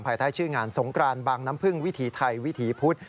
ใต้ชื่องานสงกรานบางน้ำพึ่งวิถีไทยวิถีพุธ